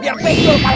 biar pegol kepala lu